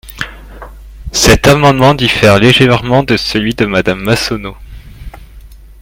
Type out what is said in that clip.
Cet amendement diffère légèrement de celui de Madame Massonneau.